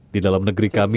di dalam negeri kami